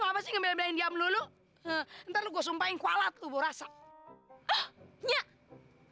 amat sih ya allah banget tanamat bro ada senang senangnya hadiah budi mengerti menjadi